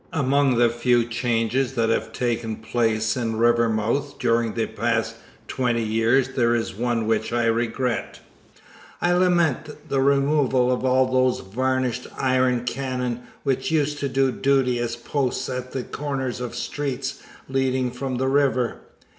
Among the few changes that have taken place in Rivermouth during the past twenty years there is one which I regret. I lament the removal of all those varnished iron cannon which used to do duty as posts at the corners of streets leading from the river.